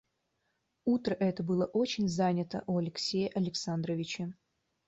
Утро это было очень занято у Алексея Александровича.